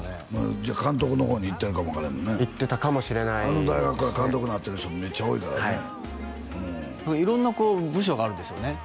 じゃあ監督の方にいってるかも分からへんもんねいってたかもしれないあの大学から監督になってる人もめっちゃ多いからね色んなこう部署があるんですよね？